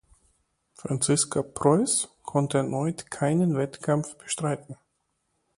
Franziska Preuß konnte erneut keinen Wettkampf bestreiten.